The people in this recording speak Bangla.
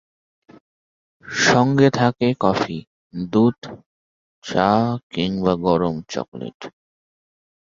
সংগে থাকে কফি, দুধ, চা কিংবা গরম চকলেট।